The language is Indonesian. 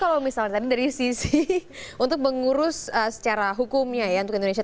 kalau misalnya tadi dari sisi untuk mengurus secara hukumnya ya untuk indonesia